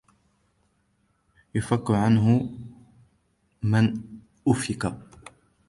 يُؤْفَكُ عَنْهُ مَنْ أُفِكَ